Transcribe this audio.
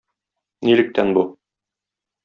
Нилектән бу?